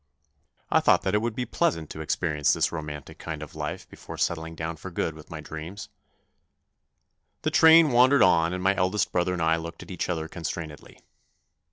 I thought that it would be pleasant to experience this romantic kind of 5 50 THE NEW BOY life before settling down for good with my dreams. The train wandered on and my eldest brother and I looked at each other constrainedly.